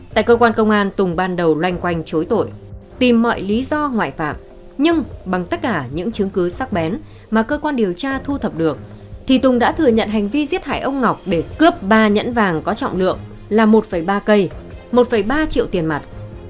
tại cơ quan công an tùng ban đầu loanh quanh chối tội tìm mọi lý do ngoại phạm nhưng bằng tất cả những chứng cứ sắc bén mà cơ quan điều tra thu thập được thì tùng đã thừa nhận hành vi giết hại ông ngọc để cướp ba nhẫn vàng có trọng lượng là một ba cây một ba triệu tiền mặt